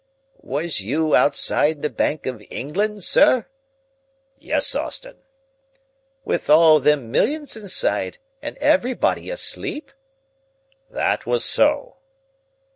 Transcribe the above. "Was you outside the Bank of England, sir?" "Yes, Austin." "With all them millions inside and everybody asleep?" "That was so."